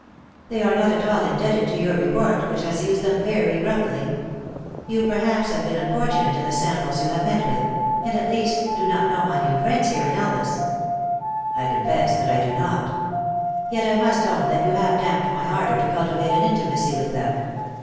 "They are not at all indebted to your report, which has used them very roughly. You, perhaps, have been unfortunate in the samples you have met with ; and, at least, do not know my new friends here in Elvas." "I confess that I do not." "Yet I must own that you have damped my ardor to cultivate an intimacy with them.